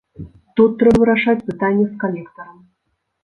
Тут трэба вырашаць пытанне з калектарам.